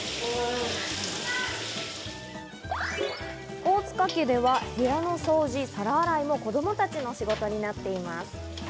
大塚家では部屋の掃除、皿洗いも子供たちの仕事になっています。